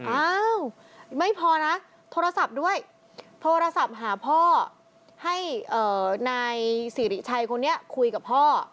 อ้าวไม่พอนะโทรศัพท์ด้วยโทรศัพท์หาพ่อให้นายสิริชัยคนนี้คุยกับพ่อ